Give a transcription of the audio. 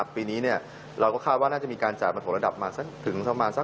ปีนี้เราก็คาดว่าน่าจะมีการจ่ายปันผลระดับมาถึงสัก๘๔